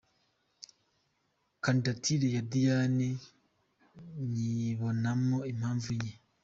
Candidature ya Diane nyibonamo impamvu enye: